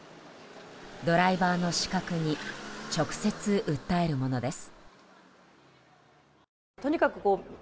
ドライバーの視覚に直接訴えるものです。